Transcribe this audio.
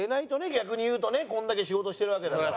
逆に言うとねこんだけ仕事してるわけだから。